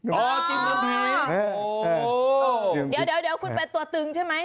เดี๋ยวคุณเป็นตัวตึงใช่ไหม